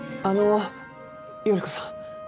あの頼子さん。